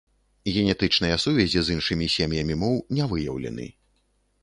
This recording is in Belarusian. Генетычныя сувязі з іншымі сем'ямі моў не выяўлены.